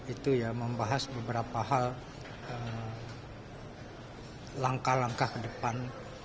itu ya membahas beberapa hal langkah langkah ke depan